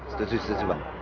setuju setuju bang